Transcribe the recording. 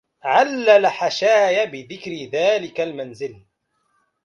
علل حشاي بذكر ذاك المنزل